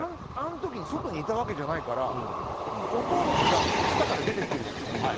あの時に外にいたわけじゃないから音がしたから出てってるじゃないですか。